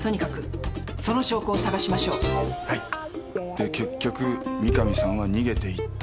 で結局三神さんは逃げて行ったと。